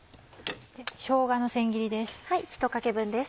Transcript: しょうがの千切りです。